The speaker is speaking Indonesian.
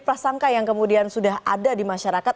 prasangka yang kemudian sudah ada di masyarakat